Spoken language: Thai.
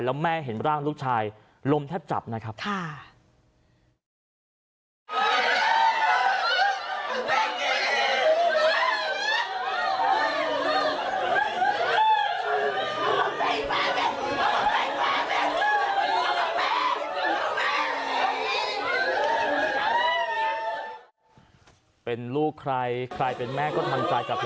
แล้วแม่เห็นร่างลูกชายลมแทบจับนะครับ